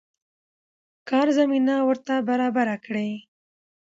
کار زمينه ورته برابره کړي.